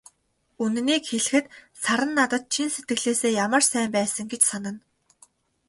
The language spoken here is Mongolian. Үнэнийг хэлэхэд, Саран надад чин сэтгэлээсээ ямар сайн байсан гэж санана.